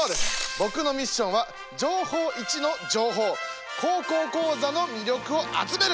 僕のミッションは「情報Ⅰ」の情報「高校講座」の魅力を集める！